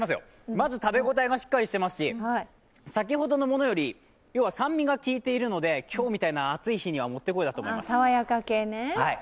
まず食べ応えがしっかりしてますし先ほどのものより、要は酸味が利いているので今日みたいな暑い日にはもってこいだと思います。